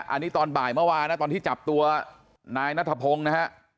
อันนี้ตอนบ่ายเมื่อวานนะตอนที่จับตัวนายนัทพงศ์นะฮะ